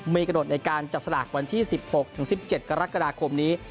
มีกระโดดในการจับสลากวันที่๑๖๑๗กรกฎาคมนี้